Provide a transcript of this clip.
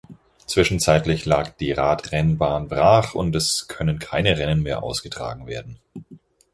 Zwischenzeitlich lag die Radrennbahn brach und es können keine Rennen mehr ausgetragen werden.